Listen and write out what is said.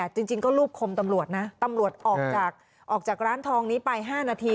จริงก็รูปคมตำรวจนะตำรวจออกจากร้านทองนี้ไป๕นาที